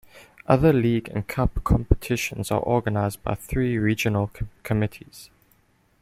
Other league and cup competitions are organised by three regional committees.